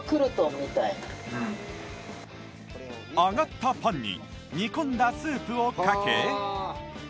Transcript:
揚がったパンに煮込んだスープをかけ